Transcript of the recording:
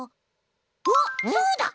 わっそうだ！